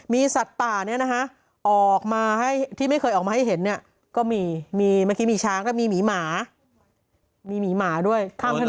มีสัตว์ป่านี้ที่ไม่เคยออกมาให้เห็นก็มีมีช้างและมีหมีหมาด้วย